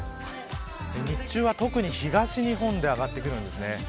日中は特に東日本で上がってきます。